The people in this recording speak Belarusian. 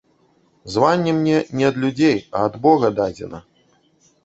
Званне мне не ад людзей, а ад бога дадзена.